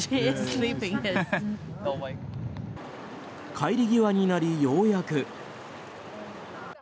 帰り際になり、ようやく。